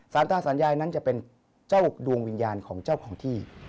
ตาสารยายนั้นจะเป็นเจ้าดวงวิญญาณของเจ้าของที่